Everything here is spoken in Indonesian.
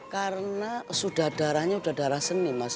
karena sudah darahnya sudah darah seni mas